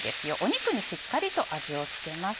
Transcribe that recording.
肉にしっかりと味を付けます。